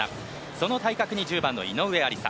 その対角に１０番、井上愛里沙。